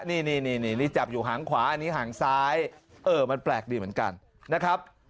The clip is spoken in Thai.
นี่นี่จับอยู่ห่างขวาอันนี้หางซ้ายเออมันแปลกดีเหมือนกันนะครับ